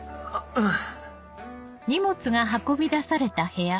うん。